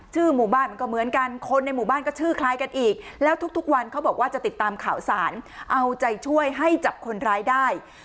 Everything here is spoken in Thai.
หมู่บ้านมันก็เหมือนกันคนในหมู่บ้านก็ชื่อคล้ายกันอีกแล้วทุกวันเขาบอกว่าจะติดตามข่าวสารเอาใจช่วยให้จับคนร้ายได้